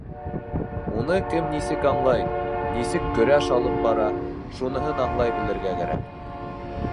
Уны кем нисек аңлай, нисек көрәш алып бара, шуныһын аңлай белергә кәрәк.